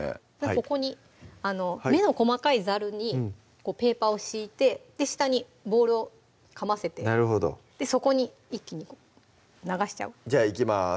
そこに目の細かいざるにペーパーを敷いて下にボウルをかませてそこに一気にこう流しちゃうじゃあいきます